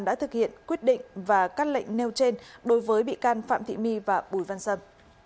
đã thực hiện quyết định và các lệnh nêu trên đối với bị can phạm thị my và bùi văn sâm